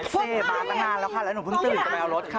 มาตั้งนานแล้วค่ะแล้วหนูเพิ่งตื่นจะไปเอารถค่ะ